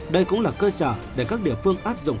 đây cũng là cơ sở để các địa phương áp dụng